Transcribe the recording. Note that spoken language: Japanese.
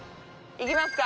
いきますか。